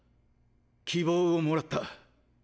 希望をもらった。